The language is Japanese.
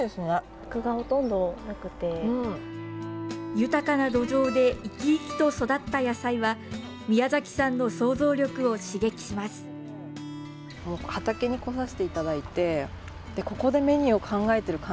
豊かな土壌でいきいきと育った野菜は宮崎さんの想像力を刺激します。